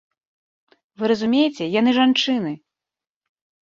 Вы разумееце, яны жанчыны!